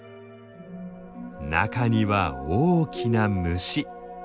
中には大きな虫！